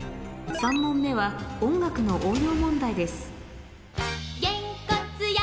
３問目は音楽の応用問題です